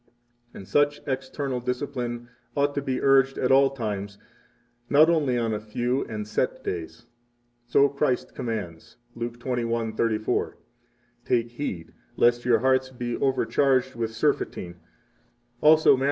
34 And such external discipline ought to be urged at all times, not only on a few and set days. So Christ commands, 35 Luke 21:34: Take heed lest your hearts 36 be overcharged with surfeiting; also Matt.